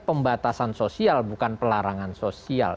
pembatasan sosial bukan pelarangan sosial